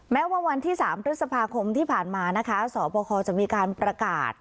แม้ว่าวันที่๓พฤษภาคมที่ผ่านมานะคะสบคจะมีการประกาศ